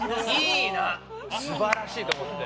素晴らしいと思って。